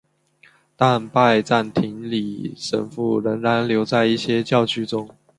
但拜占庭礼神父仍然留在一些教区中。